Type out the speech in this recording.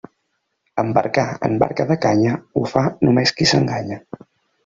Embarcar en barca de canya ho fa només qui s'enganya.